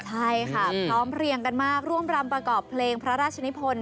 ใช่ค่ะพร้อมเพลียงกันมากร่วมรำประกอบเพลงพระราชนิพล